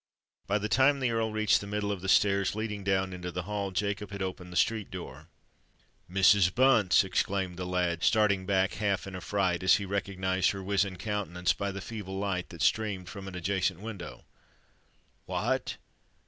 By the time the Earl reached the middle of the stairs leading down into the hall, Jacob had opened the street door. "Mrs. Bunce!" exclaimed the lad, starting back half in affright, as he recognised her wizen countenance by the feeble light that streamed from an adjacent window. "What!